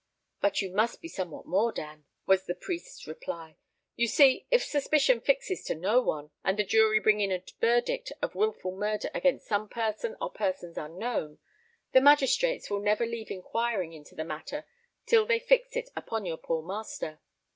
"But you must be somewhat more, Dan," was the priest's reply. "You see, if suspicion fixes to no one, and the jury bring in a verdict of wilful murder against some person or persons unknown, the magistrates will never leave inquiring into the matter till they fix it upon your poor master.